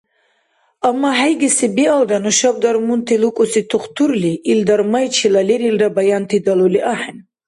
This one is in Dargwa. Амма, хӀейгеси биалра, нушаб дармунти лукӀуси тухтурли ил дармайчила лерилра баянти далули ахӀен.